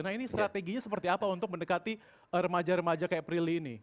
nah ini strateginya seperti apa untuk mendekati remaja remaja kayak prilly ini